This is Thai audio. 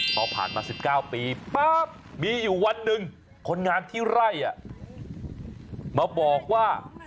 พอผ่านมา๑๙ปีปั๊บมีอยู่วันหนึ่งคนงานที่ไร่มาบอกว่า